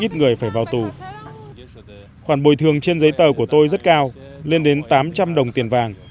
ít người phải vào tù khoản bồi thường trên giấy tờ của tôi rất cao lên đến tám trăm linh đồng tiền vàng